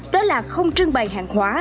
đó là không trưng bày hàng hóa